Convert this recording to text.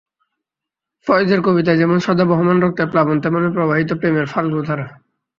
ফয়েজের কবিতায় যেমন সদা বহমান রক্তের প্লাবন, তেমনই প্রবাহিত প্রেমের ফল্গুধারা।